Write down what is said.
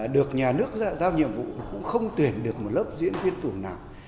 được nhà nước giao nhiệm vụ cũng không tuyển được một lớp diễn viên tuồng nào